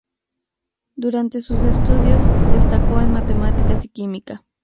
Durante sus estudios, destacó en matemáticas y química.